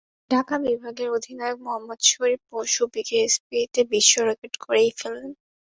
ঢাকা বিভাগের অধিনায়ক মোহাম্মদ শরীফ পরশু বিকেএসপিতে বিশ্ব রেকর্ডই করে ফেললেন।